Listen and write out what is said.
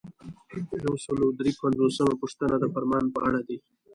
یو سل او درې پنځوسمه پوښتنه د فرمان په اړه ده.